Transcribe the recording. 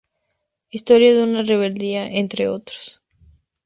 Historia de una rebeldía", entre otros.